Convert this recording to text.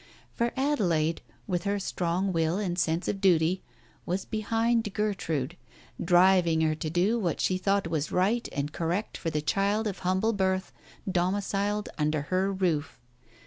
For Adelaide, with her strong will and sense of duty, was behind Gertrude, driving her to do what she thought was right and correct for the child of humble birth domiciled under her roof.